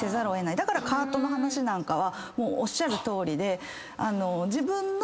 だからカートの話なんかはおっしゃるとおりで。